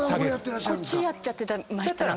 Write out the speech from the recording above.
こっちやっちゃってました。